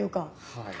はい。